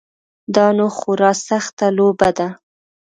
دا نو خورا سخته لوبه ده.